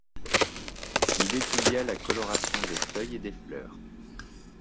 Il étudia la coloration des feuilles et des fleurs.